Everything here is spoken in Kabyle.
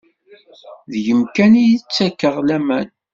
Deg-m kan i ttakeɣ laman.